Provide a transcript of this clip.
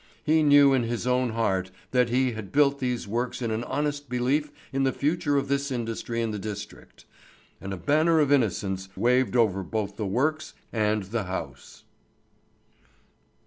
He knew in his own heart that he had built these works in an honest belief in the future of this industry in the district; and a banner of innocence waved over both the works and the house.